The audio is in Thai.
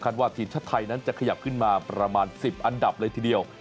ว่าทีมชาติไทยนั้นจะขยับขึ้นมาประมาณ๑๐อันดับเลยทีเดียว